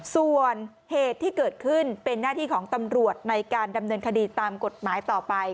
ส่วนเหตุที่เกิดขึ้นเป็นหน้าที่ของตำรวจในการดำเนินคดีตามกฎหมายต่อไป